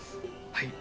はい。